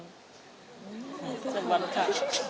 เสื้อวันค่ะ